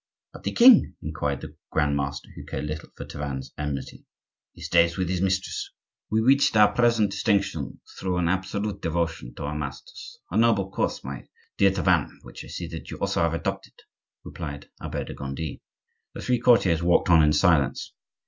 "But the king?" inquired the Grand master, who cared little for Tavanne's enmity. "He stays with his mistress." "We reached our present distinction through an absolute devotion to our masters,—a noble course, my dear Tavannes, which I see that you also have adopted," replied Albert de Gondi. The three courtiers walked on in silence.